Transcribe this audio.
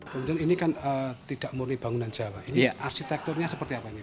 kemudian ini kan tidak murni bangunan jawa ini arsitekturnya seperti apa ini